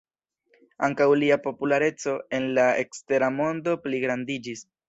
Ankaŭ lia populareco en la ekstera mondo pligrandiĝis.